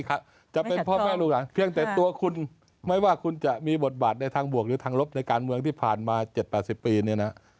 จะเป็นพ่อแม่ลูกหลานเพียงแต่ตัวคุณไม่ว่าคุณจะมีบทบาทในทางบวกหรือทางลบในการเมืองที่ผ่านมา๗๘๐ปีเนี่ยนะ